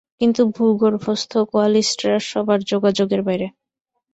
কিন্তু ভূগর্ভস্থ কোয়ালিস্টরা সবার যোগাযোগের বাইরে।